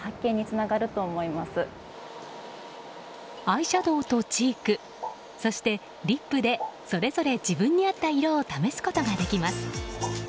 アイシャドーとチークそしてリップでそれぞれ自分に合った色を試すことができます。